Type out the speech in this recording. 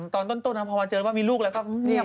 ตอนต้นพอเจอว่ามีลูกแล้วเขาเมียบเลย